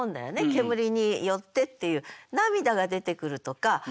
煙によってっていう涙が出てくるとか。